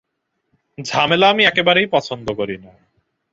ঝামেলা আমি একেবারেই পছন্দ করি না।